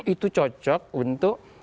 itu cocok untuk